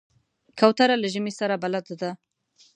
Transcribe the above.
کوتره له ژمي سره بلد ده.